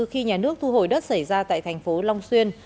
khi nhà nước thu hồi đất xảy ra tại thành phố long xuyên